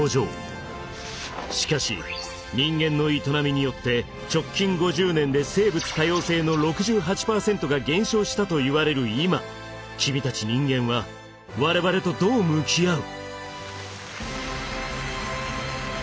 しかし人間の営みによって直近５０年で生物多様性の６８％が減少したといわれる今君たち人間は我々とどう向き合う？